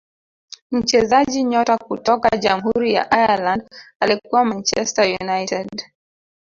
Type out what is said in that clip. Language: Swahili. mchezaji nyota kutoka jamhuri ya ireland alikuwa manchester united